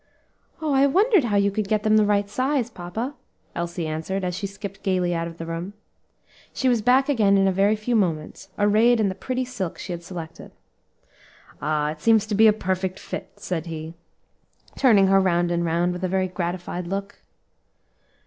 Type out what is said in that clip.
"Oh! I wondered how you could get them the right size, papa," Elsie answered, as she skipped gayly out of the room. She was back again in a very few moments, arrayed in the pretty silk he had selected. "Ah! it seems to be a perfect fit," said he, turning her round and round, with a very gratified look.